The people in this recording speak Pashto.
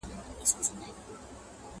o په تېرو اوبو پسي چا يوم نه وي وړی!